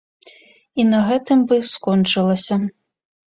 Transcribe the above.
І на гэтым бы скончылася.